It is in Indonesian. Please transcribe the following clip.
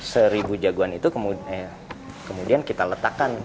seribu jagoan itu kemudian kita letakkan